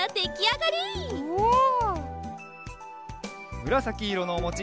むらさきいろのおもち